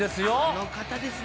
あの方ですね。